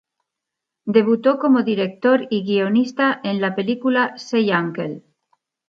Debutó como director y guionista en la película "Say Uncle".